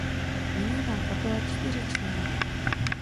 Nyní má kapela čtyři členy.